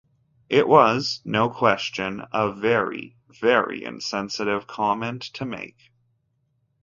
It was no question a very, very insensitive comment to make.